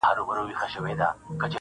په انګلستان کي یو شهزاده دی -